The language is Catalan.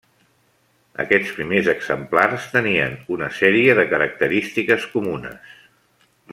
Aquests primers exemplars tenien una sèrie de característiques comunes.